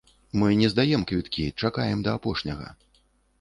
Мы не здаем квіткі, чакаем да апошняга.